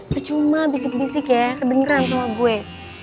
bercuma bisik bisik ya kebeneran sama gue